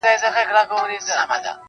نن د جانان په ښار کي ګډي دي پردۍ سندري--!